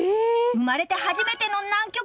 生まれて初めての南極！